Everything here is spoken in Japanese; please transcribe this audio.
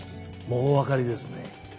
もうお分かりですね？